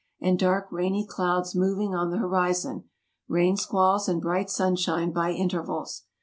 and dark rainy clouds moving on the horizon ; rain squalls and bright sunshine by intervals.